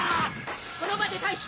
この場で待機！